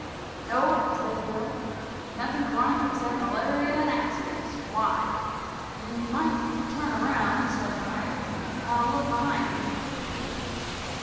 "No," says Bill, "nothing chronic except malaria and accidents. Why?" "Then you might turn around," says I, "and have a took behind you."